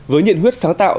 với nhiện huyết sáng tạo